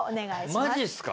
マジっすか？